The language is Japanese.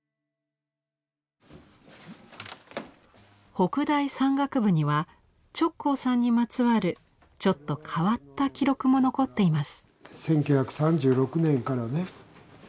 北大山岳部には直行さんにまつわるちょっと変わった記録も残っています。